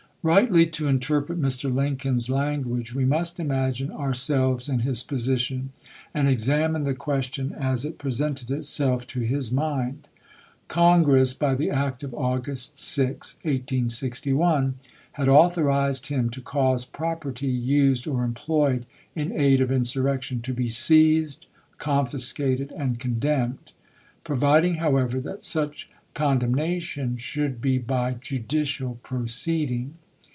Rightly to interpret Mr. Lincoln's language we must imagine ourselves in his position, and examine the question as it presented itself to his mind. Con gress, by the act of August 6, 1861, had authorized him to cause property used or employed in aid of insurrection to be " seized, confiscated, and con demned"; providing, however, that such condem nation should be by judicial proceeding.